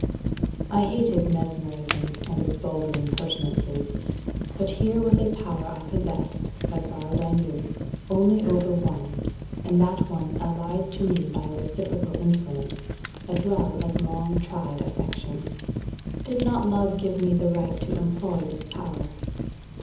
I hated mesmerism and its vulgar impertinences; but here was a power I possessed, as far as I knew, only over one, and that one allied to me by a reciprocal influence, as well as long tried affection. Did not love give me the right to employ this power?